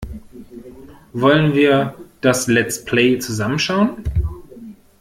Wollen wir das Let's Play zusammen schauen?